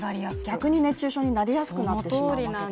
逆に熱中症になりやすくなってしまうと。